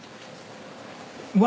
うわ！